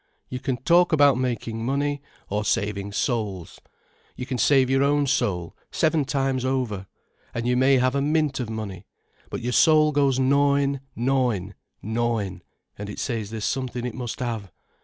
You can talk about making money, or saving souls. You can save your own soul seven times over, and you may have a mint of money, but your soul goes gnawin', gnawin', gnawin', and it says there's something it must have.